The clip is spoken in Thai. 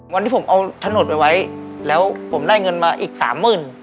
วันที่ผมเอาถนนไปไว้แล้วผมได้เงินมาอีกสามหมื่น